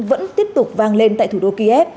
vẫn tiếp tục vang lên tại thủ đô kiev